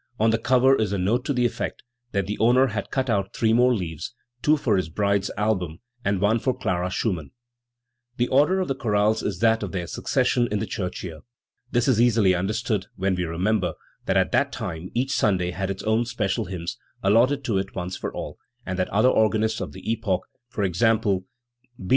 On the cover is a no'te to the effect that the owner had cut out three more leaves two for his bride's album, and one for Clara Schumann*. The order of the chorales is that of their succession in the church year. This is easily understood when we re member that at that time each Sunday had its own special hymns, allotted to it once for all, and that other organists of the epoch e. g. B.